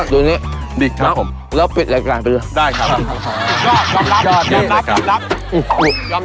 ดูนี่เราปิดรายการไปด้วยครับ